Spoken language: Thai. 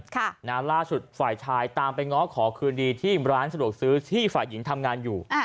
ล่าสุดฝ่ายชายตามไปง้อขอคืนดีที่ร้านสะดวกซื้อที่ฝ่ายหญิงทำงานอยู่อ่า